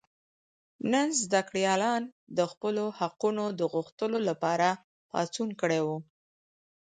نن زده کړیالانو د خپلو حقونو د غوښتلو لپاره پاڅون کړی و.